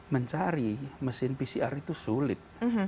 mencari mesin pcr itu sulit